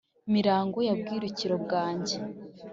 mirango ya bwirukiro bwange